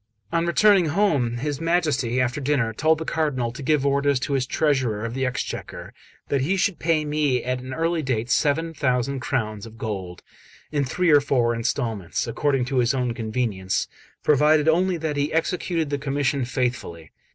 On returning home, his Majesty, after dinner, told the Cardinal to give orders to his treasurer of the Exchequer that he should pay me at an early date seven thousand crowns of gold, in three or four instalments, according to his own convenience, provided only that he executed the commission faithfully.